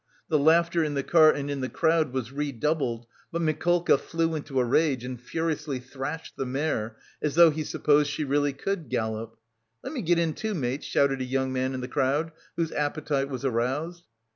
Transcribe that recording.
The laughter in the cart and in the crowd was redoubled, but Mikolka flew into a rage and furiously thrashed the mare, as though he supposed she really could gallop. "Let me get in, too, mates," shouted a young man in the crowd whose appetite was aroused.